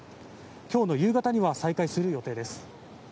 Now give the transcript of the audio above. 今日の夕方には再開する予定です。